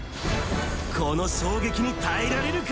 この衝撃に耐えられるか？